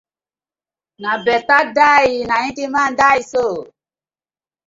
Na betta die na im di man die so.